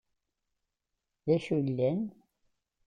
D acu i yellan?